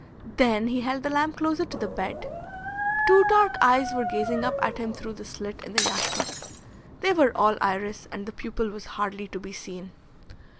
Then he held the lamp closer to the bed. Two dark eyes were gazing up at him through the slit in the yashmak. They were all iris, and the pupil was hardly to be seen.